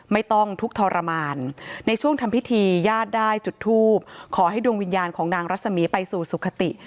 ไม่ต้องทุกข์ทรมานในช่วงทำพิธีญาติได้จุดทูบขอให้ดวงวิญญาณของนางรัศมีร์ไปสู่สุขติ